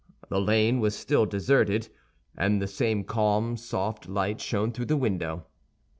The lane was still deserted, and the same calm soft light shone through the window.